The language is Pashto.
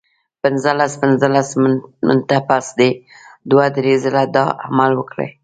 پنځلس پنځلس منټه پس دې دوه درې ځله دا عمل وکړي